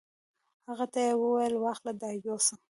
هغه ته یې وویل: واخله دا یوسه.